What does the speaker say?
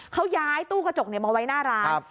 เขาย้ายตู้กระจกมาไว้หน้าร้าน